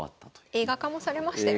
映画化もされましたよね。